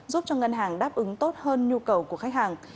giúp cho ngân hàng đáp ứng tốt hơn nhu cầu của khách hàng